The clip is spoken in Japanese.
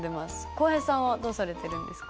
浩平さんはどうされてるんですか？